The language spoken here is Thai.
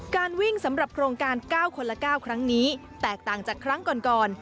การวิ่งสำหรับโครงการ๙คนละ๙ครั้งนี้แตกต่างจากครั้งก่อน